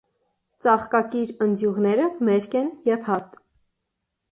Ծաղկակիր ընձյուղները մերկ են և հաստ։